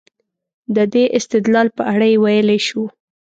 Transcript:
د دې استدلال په اړه ویلای شو.